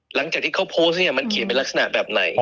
หลังจากที่เขาโพสต์เนี่ยมันเขียนเป็นลักษณะแบบไหน